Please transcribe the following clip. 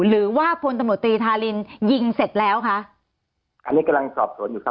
หรือว่าพลตำรวจตรีธารินยิงเสร็จแล้วคะอันนี้กำลังสอบสวนอยู่ครับ